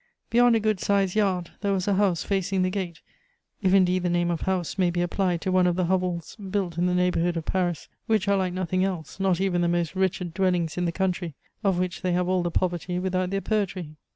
Beyond a good sized yard there was a house facing the gate, if indeed the name of house may be applied to one of the hovels built in the neighborhood of Paris, which are like nothing else, not even the most wretched dwellings in the country, of which they have all the poverty without their poetry.